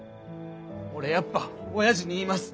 俺やっぱおやじに言います。